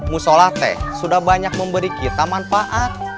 musyola teh sudah banyak memberi kita manfaat